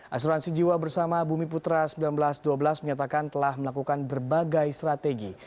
asuransi jiwa bersama bumi putra seribu sembilan ratus dua belas menyatakan telah melakukan berbagai strategi